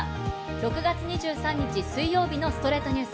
６月２３日、水曜日の『ストレイトニュース』。